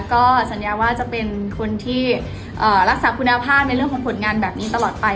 ก็สัญญาว่าจะเป็นคนที่รักษาคุณภาพในเรื่องของผลงานแบบนี้ตลอดไป